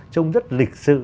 trông rất lịch sự